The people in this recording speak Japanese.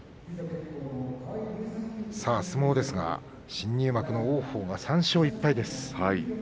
相撲ですが新入幕の王鵬が３勝１敗です。